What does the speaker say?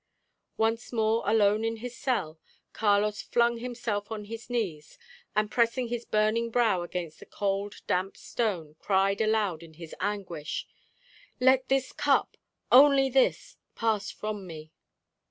Once more alone in his cell, Carlos flung himself on his knees, and pressing his burning brow against the cold damp stone, cried aloud in his anguish, "Let this cup only this pass from me!"